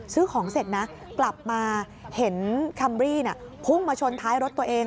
ซื้อของเสร็จนะกลับมาเห็นคัมรี่พุ่งมาชนท้ายรถตัวเอง